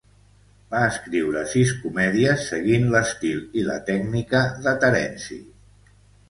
Va escriure sis comèdies seguint l'estil i la tècnica de Terenci.